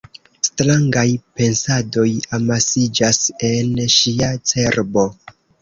Strangaj pensadoj amasiĝas en ŝia cerbo.